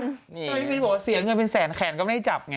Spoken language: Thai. เหรอเสียเงินเป็นแสนแขนก็ไม่ได้จับไง